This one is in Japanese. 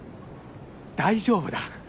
大丈夫だ。